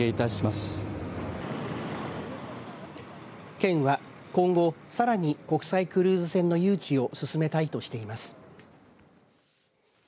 県は今後さらに国際クルーズ船の誘致を進めたいとしています。